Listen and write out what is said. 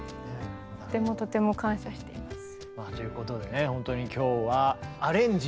とてもとても感謝しています。